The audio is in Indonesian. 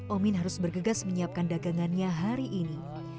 omin harus bergegas menyiapkan dagangannya hari ini